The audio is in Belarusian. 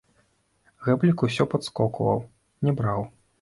Гэблік усё падскокваў, не браў.